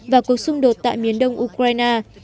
và cuộc xung đột tại miền đông ukraine